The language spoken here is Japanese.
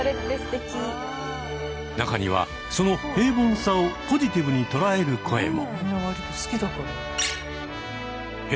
中にはその平凡さをポジティブに捉える声も。